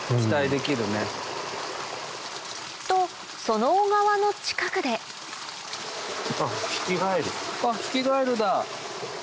とその小川の近くでヒキガエルだ。